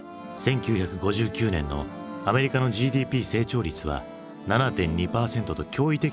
１９５９年のアメリカのＧＤＰ成長率は７．２％と驚異的な伸びを記録。